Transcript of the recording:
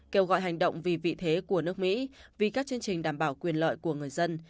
kêu gọi hành động vì vị thế của nước mỹ vì các chương trình đảm bảo quyền lợi của người dân